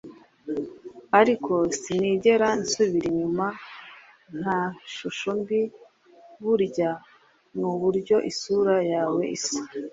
ariko sinigera nsubira inyuma nta shusho mbi; burya nuburyo isura yawe isa